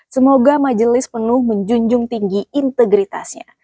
semoga majelis penuh menjunjung tinggi integritasnya